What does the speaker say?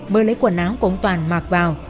mới lấy quần áo của ông toàn mạc vào